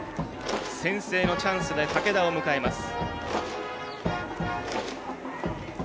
先制のチャンスで武田を迎えます。